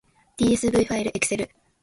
tsv ファイルエクセル